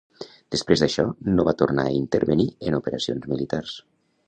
Després d'això no va tornar a intervenir en operacions militars.